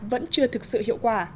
vẫn chưa thực sự hiệu quả